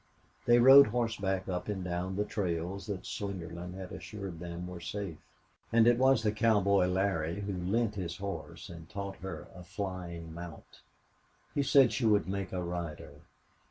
They rode horseback up and down the trails that Slingerland assured them were safe. And it was the cowboy Larry who lent his horse and taught her a flying mount; he said she would make a rider.